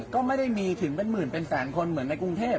ก็ไม่ได้มีถึงเป็นหมื่นเป็นแสนคนเหมือนในกรุงเทพ